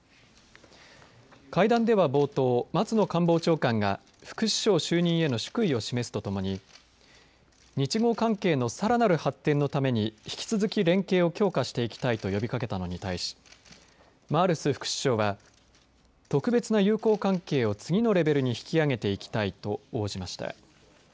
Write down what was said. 会談では冒頭、松野官房長官が副首相就任への祝意を示すとともに日豪関係のさらなる発展のために引き続き連携を強化していきたいと呼びかけたのに対しマールス副首相は特別な友好関係を次のレベルに引き上げていきたいと応じました。